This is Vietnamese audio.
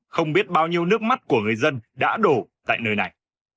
không biết bao nhiêu nước mắt của người dân đã đổ tại nơi này